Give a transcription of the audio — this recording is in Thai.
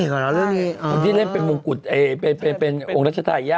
เขาที่เร่งเป็นมุมกุจเป็นองค์ราชธายาท